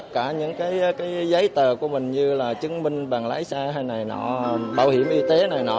cái giấy tờ của mình như là chứng minh bàn lái xa hay này nọ bảo hiểm y tế này nọ